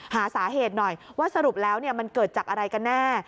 หาสาเหตุหน่อยว่าสรุปแล้วมันเกิดจากอะไรกันแน่